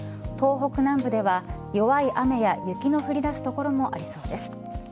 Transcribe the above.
東北南部では弱い雨や雪の降りだす所もありそうです。